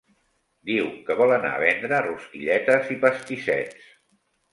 Diu que vol anar a vendre rosquilletes i pastissets.